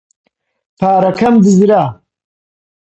پارەکە دزرا.